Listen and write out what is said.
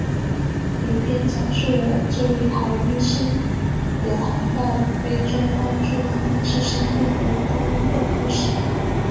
影片讲述了这位好医生远航到非洲帮助医治生病的动物的故事。